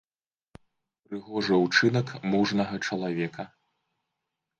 Прыгожы ўчынак мужнага чалавека.